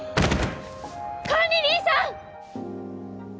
管理人さん！